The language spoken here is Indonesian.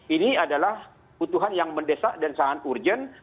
ini adalah butuhan yang mendesak dan sangat urgent